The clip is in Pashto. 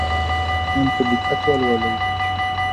قرآن په دقت ولولئ.